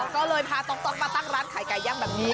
ก็เลยพาต๊อกมาตั้งร้านขายไก่ย่างแบบนี้